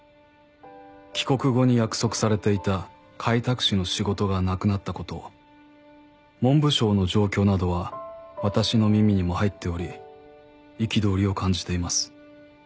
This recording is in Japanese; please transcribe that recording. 「帰国後に約束されていた開拓使の仕事がなくなったこと文部省の状況などは私の耳にも入っており憤りを感じています」